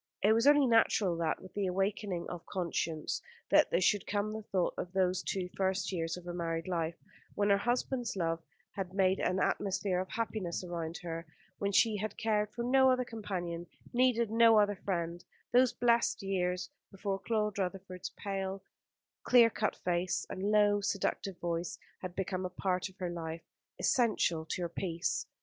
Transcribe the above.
It was only natural that, with the awakening of conscience, there should come the thought of those two first years of her married life, when her husband's love had made an atmosphere of happiness around her, when she had cared for no other companion, needed no other friend; those blessed years before Claude Rutherford's pale, clear cut face, and low, seductive voice had become a part of her life, essential to her peace.